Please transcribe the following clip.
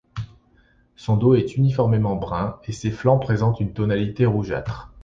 Son dos est uniformément brun et ses flancs présentent une tonalité rougeâtre.